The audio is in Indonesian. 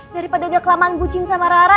daripada udah kelamaan kucing sama rara